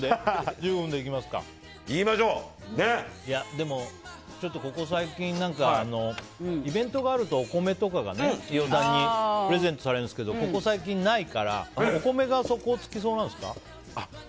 でも、ここ最近イベントがあるとお米とかが飯尾さんにプレゼントされるんですけどここ最近、ないからお米が底をつきそうなんですか？